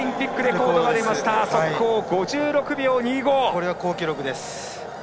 これは好記録です。